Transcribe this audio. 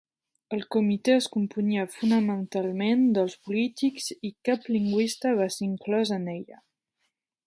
El Comitè es componia fonamentalment dels polítics, i cap lingüista va ser inclòs en ella.